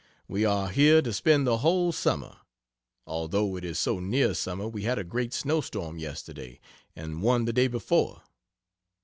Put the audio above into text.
We are here to spend the whole summer. Although it is so near summer, we had a great snow storm yesterday, and one the day before.